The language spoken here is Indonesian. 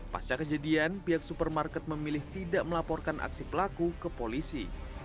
pasca kejadian pihak supermarket memilih tidak melaporkan aksi pelaku ke polisi